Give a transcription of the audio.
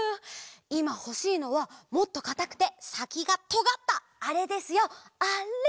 いまほしいのはもっとかたくてさきがとがったあれですよあれ！